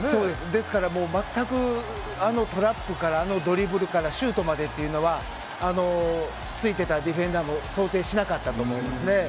ですから、全くあのトラップからドリブルからシュートまでというのはついてたディフェンダーも想定してなかったと思いますね。